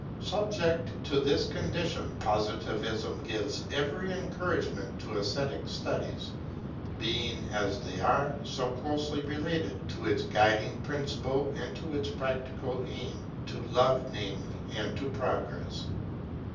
Subject to this condition, Positivism gives every encouragement to esthetic studies, being, as they are, so closely related to its guiding principle and to its practical aim, to Love namely, and to Progress.